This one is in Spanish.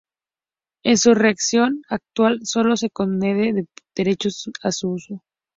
En su redacción actual, sólo se concede el derecho a su uso.